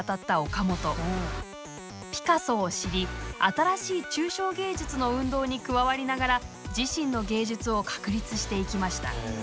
ピカソを知り新しい抽象芸術の運動に加わりながら自身の芸術を確立していきました。